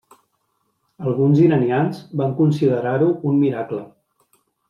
Alguns iranians van considerar-ho un miracle.